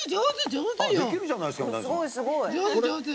上手、上手！